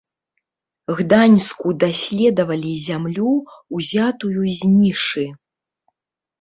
Гданьску даследавалі зямлю, узятую з нішы.